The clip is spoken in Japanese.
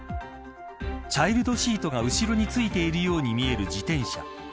チャイルドシートが後ろについているように見える自転車。